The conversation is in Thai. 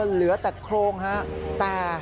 เหลือแต่โครงฮะแต่